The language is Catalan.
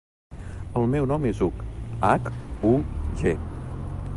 El meu nom és Hug: hac, u, ge.